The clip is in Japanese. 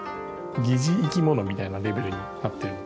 疑似生き物みたいなレベルになっている